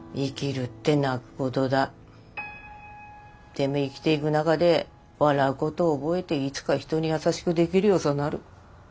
でも生きていく中で笑うことを覚えていつか人に優しくできるようさなる。